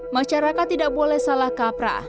masyarakat tidak boleh salah kaprah